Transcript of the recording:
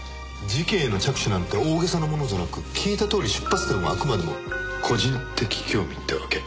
事件への着手なんて大げさなものじゃなく聞いたとおり出発点はあくまでも個人的興味ってわけ。